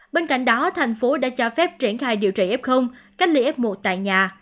bên cạnh đó thành phố đã cho phép triển khai điều trị f cách ly f một tại nhà